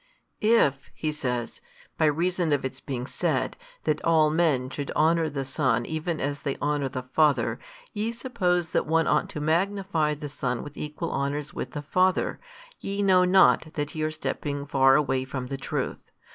|262 "If (he says) by reason of its being said, That all men should honour the Son even as they honour the Father, ye suppose that one ought to magnify the Son with equal honours with the Father, ye know not that ye are stepping far away from the truth.